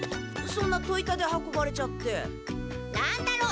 そんな戸板で運ばれちゃって。